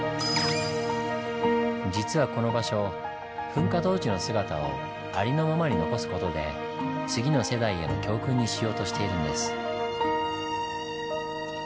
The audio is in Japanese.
実はこの場所噴火当時の姿をありのままに残す事で次の世代への教訓にしようとしているんです。